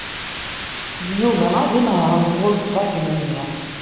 D Yuba ad inehṛen Volkswagen-nni.